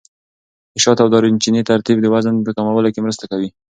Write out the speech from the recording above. د شات او دارچیني ترکیب د وزن په کمولو کې مرسته کوي.